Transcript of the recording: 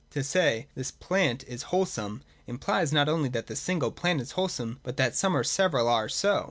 To say, 'This plant is wholesome,' implies not only that this single plant is wholesome, but that some or several are so.